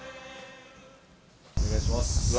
お願いします。